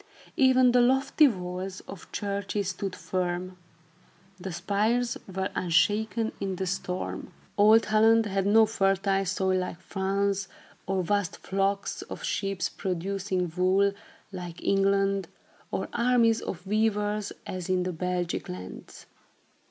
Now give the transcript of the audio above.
Even the lofty walls of churches stood firm. The spires were unshaken in the storm. Old Holland had not fertile soil like France, or vast flocks of sheep, producing wool, like England, or armies of weavers, as in the Belgic lands.